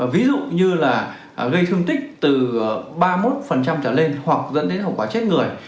ví dụ như là gây thương tích từ ba mươi một trở lên hoặc dẫn đến hậu quả chết người